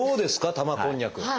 玉こんにゃくは。